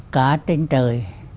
cả trên trời